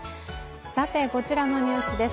こちらのニュースです。